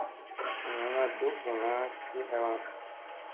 An ana duk vunna ki halaŋ.